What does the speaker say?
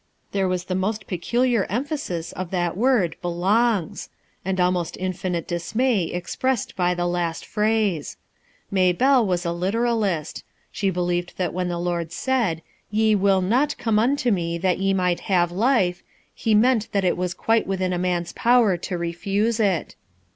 There was the most peculiar emphasis of that word "belongs"; and almost infinite dis may expressed by the last phrase. Maybelle was a litcralist. She believed that when the Lord said, "Ye vnU not come unto me that ye might have life," he meant that it was quite within man's power to refuse it.